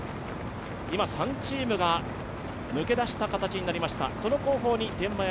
今、３チームが抜け出した形になりました。